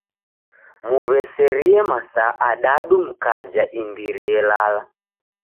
Muw'eserie masaa adadu mkaja imbiri elala.